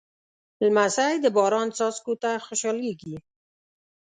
لمسی د باران څاڅکو ته خوشحالېږي.